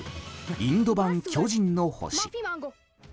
インド版「巨人の星」。